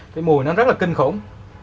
cái mùi nó rất là kinh khủng